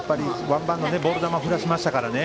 ワンバウンドでボール球を振らせましたからね。